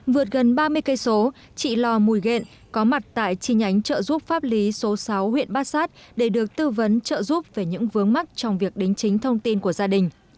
vượt gần ba mươi km chị lò mùi ghện có mặt tại chi nhánh trợ giúp pháp lý số sáu huyện bát sát để được tư vấn trợ giúp về những vướng mắt trong việc đính chính thông tin của gia đình